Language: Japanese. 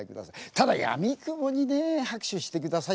ただやみくもにね拍手してください